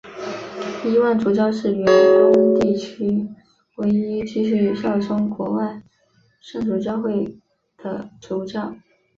伊望主教是远东地区唯一继续效忠国外圣主教公会的主教。